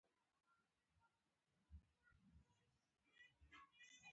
د سیند په څنډو کې سرتېري ځای پر ځای شوي وو.